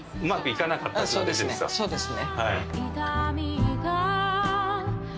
そうですね。